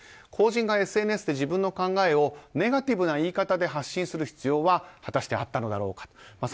公人がＳＮＳで自分の考えをネガティブな言い方で発信する必要は果たしてあったのだろうか。